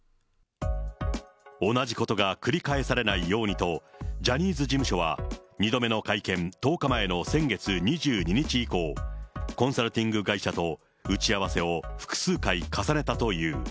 同じことが繰り返されないようにと、ジャニーズ事務所は２度目の会見１０日前の先月２２日以降、コンサルティング会社と打ち合わせを複数回重ねたという。